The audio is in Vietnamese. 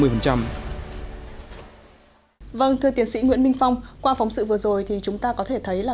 vâng thưa tiến sĩ nguyễn minh phong qua phóng sự vừa rồi thì chúng ta có thể thấy là